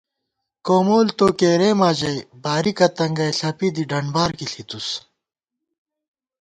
کومول تو کېرېما ژَئی، بارِکہ تنگَئ ݪپی دی ڈنبار کی ݪِتُس